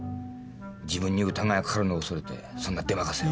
自分に疑いがかかるのを恐れてそんなでまかせを。